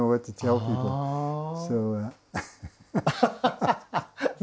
ハハハハ！